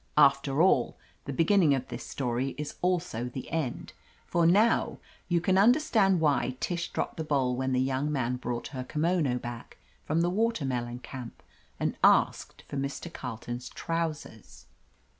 After all, the beginning of this story is also the end. For now you can understand why Tish dropped the bowl when the young man brought her kimono back from the Water melon Camp and asked for Mr. Carleton's trousers